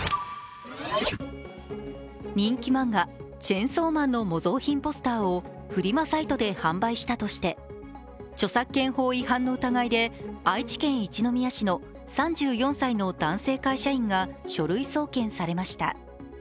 人気漫画「チェンソーマン」の模造品ポスターをフリマサイトで販売したとして著作権法違反の疑いで愛知県一宮市の３４歳の男性会社員が書類送検されました。